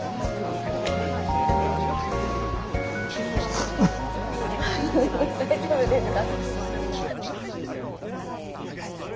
フフフ大丈夫ですか？